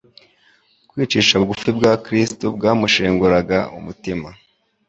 Kwicisha bugufi kwa Kristo byamushenguraga umutima.